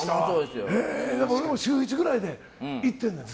俺も週１くらいで行ってんねん。